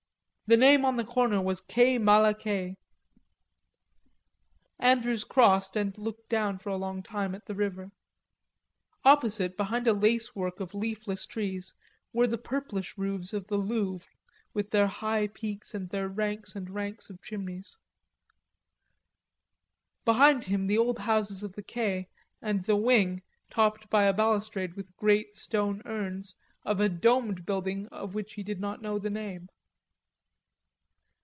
The name on the corner was quai Malaquais. Andrews crossed and looked down for a long time at the river. Opposite, behind a lace work of leafless trees, were the purplish roofs of the Louvre with their high peaks and their ranks and ranks of chimneys; behind him the old houses of the quai and the wing, topped by a balustrade with great grey stone urns of a domed building of which he did not know the name.